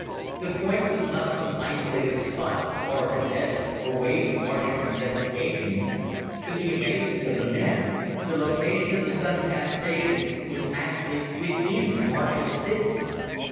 The point was not some isolated spot far in a desert, away from Martian investigation. To the amazement of the men, the location of the Sun tap station was actually within a Martian city!